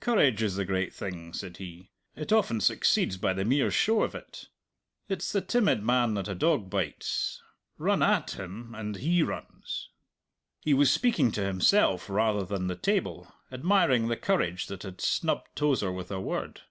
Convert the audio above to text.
"Courage is the great thing," said he. "It often succeeds by the mere show of it. It's the timid man that a dog bites. Run at him and he runs." He was speaking to himself rather than the table, admiring the courage that had snubbed Tozer with a word.